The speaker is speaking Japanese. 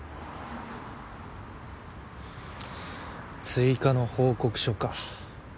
追加の報告書か。